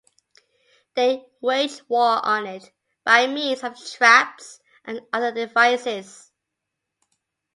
They wage war on it by means of traps and other devices.